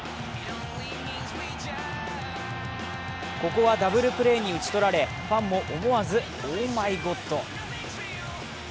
ここはダブルプレーに打ち取られ、ファンも思わずオーマイゴッド。